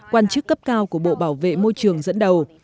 quan chức cấp cao của bộ bảo vệ môi trường dẫn đầu